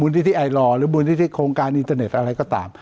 ที่ไอลอร์หรือมูลนิธิโครงการอินเทอร์เน็ตอะไรก็ตาม